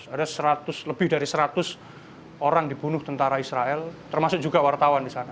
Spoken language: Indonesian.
ada lebih dari seratus orang dibunuh tentara israel termasuk juga wartawan di sana